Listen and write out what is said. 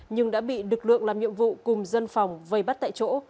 nhưng đã bị lực lượng làm nhiệm vụ cùng dân phòng vây bắt tại chỗ